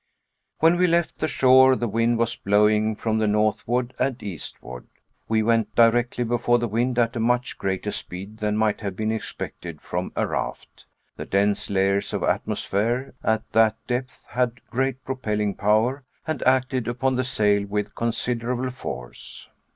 When we left the shore the wind was blowing from the northward and eastward. We went directly before the wind at a much greater speed than might have been expected from a raft. The dense layers of atmosphere at that depth had great propelling power and acted upon the sail with considerable force.